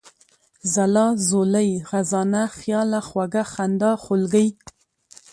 ځلا ، ځولۍ ، خزانه ، خياله ، خوږه ، خندا ، خولگۍ ،